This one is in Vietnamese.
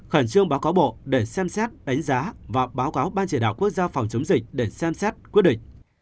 khẩn trương báo cáo bộ để xem xét đánh giá và báo cáo ban chỉ đạo quốc gia phòng chống dịch để xem xét quyết định